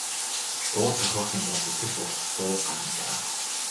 Дуу зохиох юм бол их л урт дуу гарна даа.